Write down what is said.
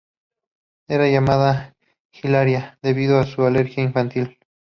Era llamada "Hilaria" debido a su alegría infantil.